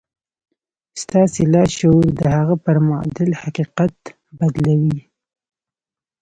ستاسې لاشعور د هغه پر معادل حقيقت بدلوي.